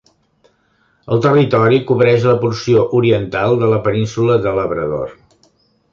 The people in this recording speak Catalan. El territori cobreix la porció oriental de la península de Labrador.